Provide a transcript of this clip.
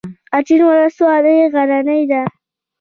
اچین ولسوالۍ غرنۍ ده؟